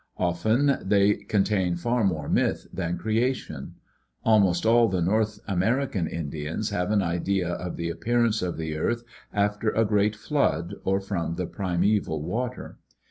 Often they contain far more myth than creation . Almost all the North American Indians have an idea of the appearance of the earth after a great flood or from the primeval water.